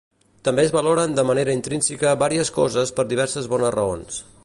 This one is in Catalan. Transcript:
També es valoren de manera intrínseca vàries coses per diverses bones raons.